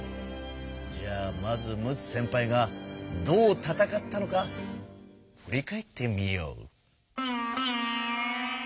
じゃあまず陸奥先輩がどうたたかったのかふり返ってみよう。